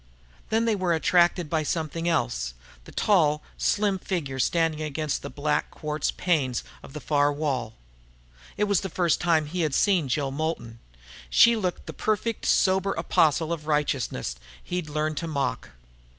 Then they were attracted by something else the tall, slim figure standing against the black quartz panes of the far wall. It was the first time he had seen Jill Moulton. She looked the perfect sober apostle of righteousness he'd learned to mock.